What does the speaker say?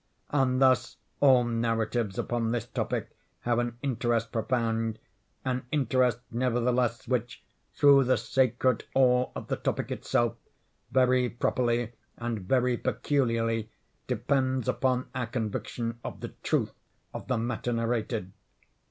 And thus all narratives upon this topic have an interest profound; an interest, nevertheless, which, through the sacred awe of the topic itself, very properly and very peculiarly depends upon our conviction of the truth of the matter narrated.